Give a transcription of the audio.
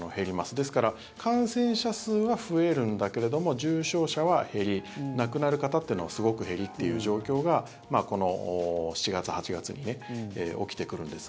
ですから感染者数は増えるんだけれども重症者は減り亡くなる方というのはすごく減りっていう状況がこの７月、８月に起きてくるんです。